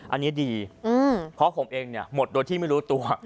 อันนี้ดีเพราะผมเองเนี่ยหมดโดยที่ไม่รู้ตัว